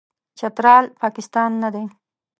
چترال، پاکستان نه دی.